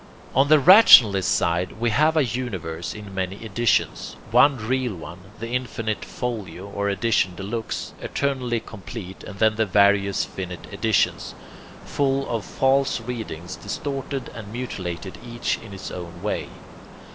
On the rationalist side we have a universe in many editions, one real one, the infinite folio, or edition de luxe, eternally complete; and then the various finite editions, full of false readings, distorted and mutilated each in its own way.